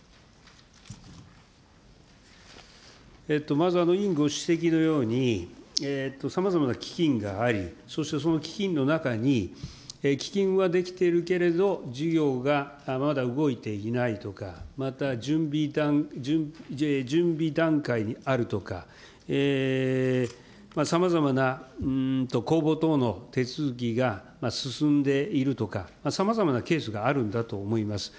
まず、委員ご指摘のように、さまざまな基金があり、そしてその基金の中に基金はできているけれども、事業がまだ動いていないとか、また準備段階にあるとか、さまざまな公募等の手続きが進んでいるとか、さまざまなケースがあるんだと思います。